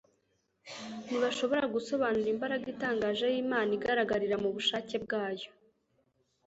Ntibashobora gusobanura imbaraga itangaje y'Imana igaragarira mu bushake bwayo;